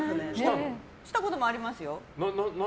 したこともありますよ。